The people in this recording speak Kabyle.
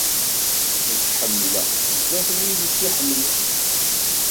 Ad k-ḥemdeɣ sdat wid i k-iḥemmlen.